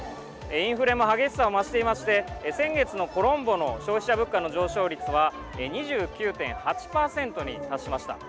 インフレも激しさを増していまして先月のコロンボの消費者物価の上昇率は２９．８パーセントに達しました。